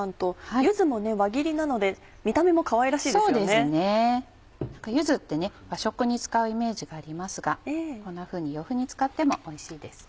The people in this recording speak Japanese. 柚子って和食に使うイメージがありますがこんなふうに洋風に使ってもおいしいですね。